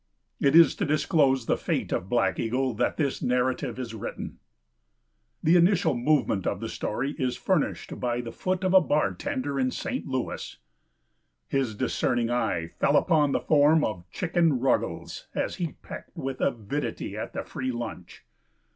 It is to disclose the fate of Black Eagle that this narrative is written. The initial movement of the story is furnished by the foot of a bartender in St. Louis. His discerning eye fell upon the form of Chicken Ruggles as he pecked with avidity at the free lunch.